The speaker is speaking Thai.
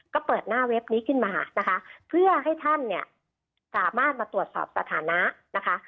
ก็เปิดหน้าเว็บนี้ขึ้นมานะคะเพื่อให้ท่านเนี่ยสามารถมาตรวจสอบสถานะนะคะ